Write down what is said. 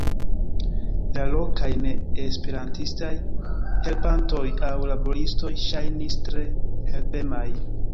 La lokaj neesperantistaj helpantoj aŭ laboristoj ŝajnis tre helpemaj.